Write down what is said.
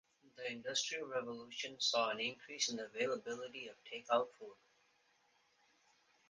The Industrial Revolution saw an increase in the availability of take-out food.